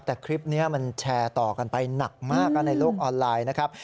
แต่คลิปนี้มันแชร์ต่อกันไปหนักมากในโลกออนไลน์นะครับ